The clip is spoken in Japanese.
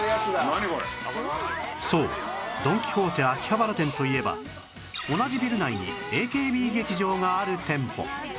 そうドン・キホーテ秋葉原店といえば同じビル内に ＡＫＢ 劇場がある店舗